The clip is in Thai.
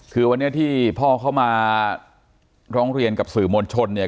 คือวันนี้ที่พ่อเข้ามาร้องเรียนกับสื่อมวลชนเนี่ย